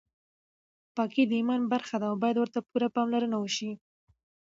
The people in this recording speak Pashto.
پاکي د ایمان برخه ده او باید ورته پوره پاملرنه وشي.